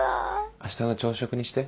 明日の朝食にして。